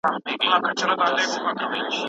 خټین لوښی ګډېده